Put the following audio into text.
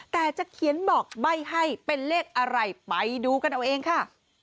แต่จะเขียนบอกใบ้ให้เป็นเลขอะไรไปดูกันเอาเองค่ะ